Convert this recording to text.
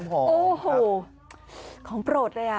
โอ้โหของโปรดเลย